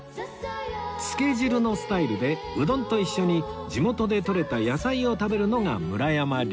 つけ汁のスタイルでうどんと一緒に地元でとれた野菜を食べるのが村山流